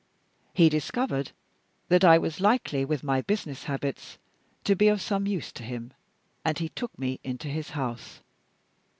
He discovered that I was likely, with my business habits, to be of some use to him, and he took me into his house.